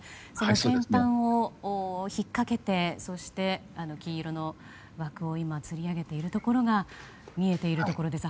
先端を引っ掛けて黄色の枠をつり上げているところが見えているところです。